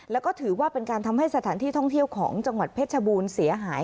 แล้วก็ถือว่าเป็นการทำให้สถานที่ท่องเที่ยวของจังหวัดเพชรบูรณ์เสียหาย